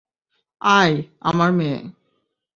আয়, আমার মেয়ে।